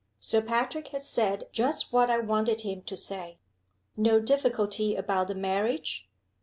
"Sir Patrick has said just what I wanted him to say." "No difficulty about the marriage?"